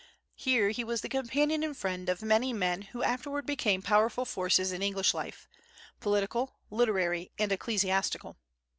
Here he was the companion and friend of many men who afterward became powerful forces in English life, political, literary, and ecclesiastical.